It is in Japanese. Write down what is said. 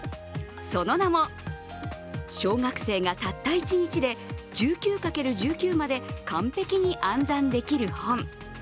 その名も「小学生がたった１日で１９×１９までかんぺきに暗算できる本」